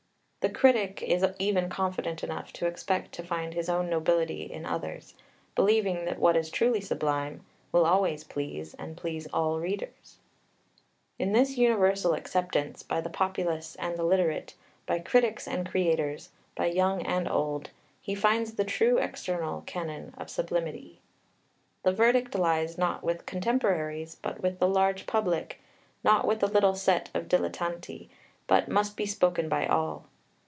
The critic is even confident enough to expect to find his own nobility in others, believing that what is truly Sublime "will always please, and please all readers." And in this universal acceptance by the populace and the literate, by critics and creators, by young and old, he finds the true external canon of sublimity. The verdict lies not with contemporaries, but with the large public, not with the little set of dilettanti, but must be spoken by all.